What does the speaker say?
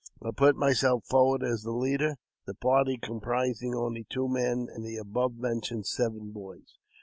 I put myself forward as the leader, the party comprising only two men and the above mentioned seven boys.